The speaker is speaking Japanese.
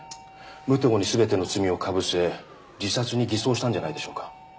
武藤に全ての罪をかぶせ自殺に偽装したんじゃないでしょうか。